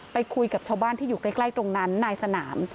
ไปคุยกับชาวบ้านที่อยู่ใกล้ตรงนั้นนายสนาม